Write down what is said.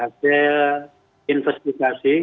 jadi saya akan melakukan investigasi